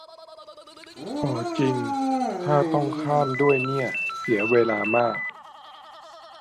อ่อจริง ถ้าต้องข้าม ด้วยเนี่ย เสียเวลามาก